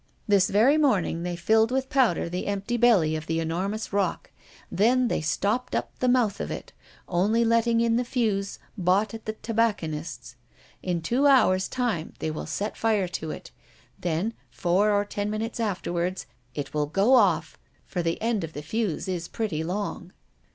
This very morning they filled with powder the empty belly of the enormous rock; then they stopped up the mouth of it, only letting in the fuse bought at the tobacconist's. In two hours' time they will set fire to it. Then, five or ten minutes afterward, it will go off, for the end of the fuse is pretty long."